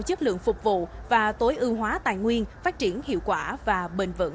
chất lượng phục vụ và tối ưu hóa tài nguyên phát triển hiệu quả và bền vững